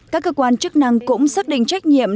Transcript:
các cơ quan chức năng cũng xác định trách nhiệm